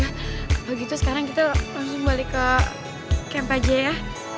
ya kalau gitu sekarang kita langsung balik ke camp aja ya